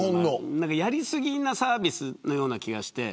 やり過ぎなサービスのような気がして。